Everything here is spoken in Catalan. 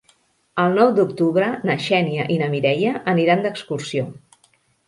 El nou d'octubre na Xènia i na Mireia aniran d'excursió.